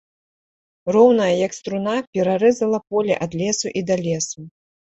Роўная, як струна, перарэзала поле, ад лесу і да лесу.